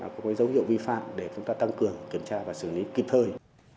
có dấu hiệu vi phạm để chúng ta tăng cường kiểm tra và xử lý kịp thời